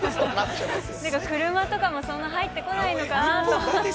車とかもそんな入ってこないのかなと。